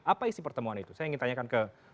apa isi pertemuan itu saya ingin tanyakan ke